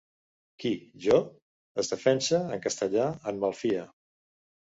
Qui, jo? —es defensa, en castellà; en malfia.